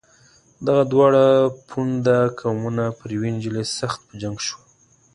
دغه دواړه پوونده قومونه پر یوې نجلۍ سخت په جنګ شول.